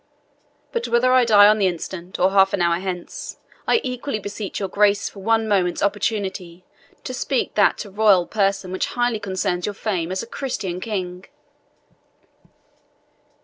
But whether I die on the instant, or half an hour hence, I equally beseech your Grace for one moment's opportunity to speak that to your royal person which highly concerns your fame as a Christian king."